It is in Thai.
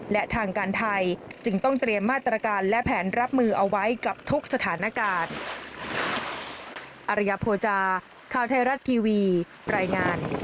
และทางการไทยจึงต้องเตรียมมาตรการและแผนรับมือเอาไว้กับทุกสถานการณ์